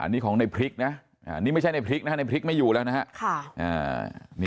นี่ของนายพริกเน้แน่โน่ะนี่ไม่ใช่นายพริกนะในนายพริกไม่อยู่แล้วนะค่ะ